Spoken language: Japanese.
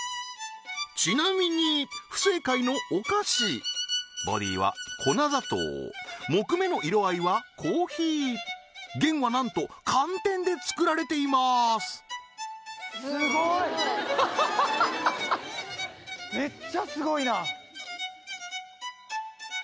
ちなみに不正解のお菓子ボディーは粉砂糖木目の色合いはコーヒー弦はなんと寒天で作られていますははははっ